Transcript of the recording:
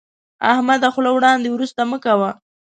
احمده، خوله وړاندې ورسته مه کوه.